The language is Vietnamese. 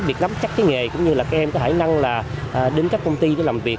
việc nắm chắc cái nghề cũng như là các em có khả năng là đến các công ty để làm việc